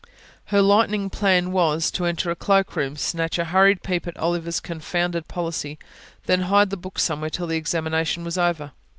Her lightning plan was, to enter a cloakroom, snatch a hurried peep at Oliver's confounded policy, then hide the book somewhere till the examination was over.